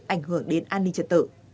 ảnh hưởng đến an ninh trật tự